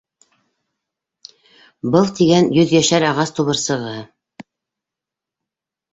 Был тигән, йөҙйәшәр ағас тубырсығы...